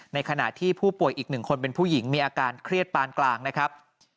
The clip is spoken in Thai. ในขณะที่ผู้ป่วยอีก๑คนเป็นผู้หญิงมีอาการเครียดปานกลางนะครับ